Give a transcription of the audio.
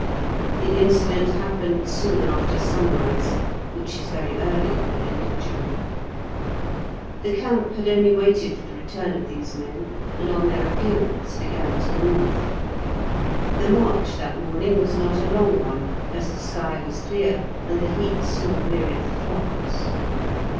The incident happened soon after sunrise, which is very early at the end of June. The camp had only waited for the return of these men, and on their appearance began to move. The march that morning was not a long one, as the sky was clear and the heat soon wearied the flocks.